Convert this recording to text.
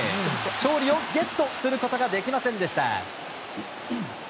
勝利をゲットすることができませんでした。